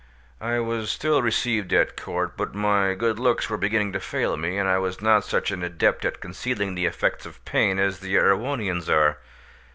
I was still received at court, but my good looks were beginning to fail me, and I was not such an adept at concealing the effects of pain as the Erewhonians are.